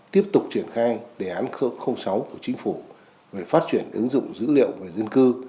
tiếp tục triển khai đề án sáu của chính phủ về phát triển ứng dụng dữ liệu về dân cư